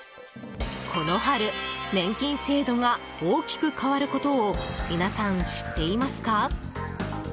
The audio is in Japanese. この春、年金制度が大きく変わることを皆さん、知っていますか？